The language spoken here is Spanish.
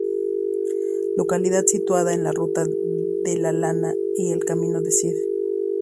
Localidad situada en la Ruta de la Lana y el Camino del Cid.